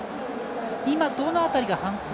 今、どの辺りが反則。